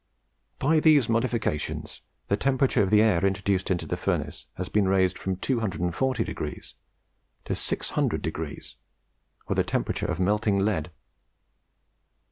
By these modifications the temperature of the air introduced into the furnace has been raised from 240 degrees to 600 degrees, or the temperature of melting lead.